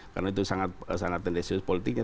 karena itu sangat tendensius politiknya